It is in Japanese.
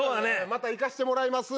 また行かしてもらいます。